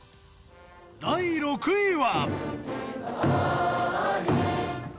第６位は。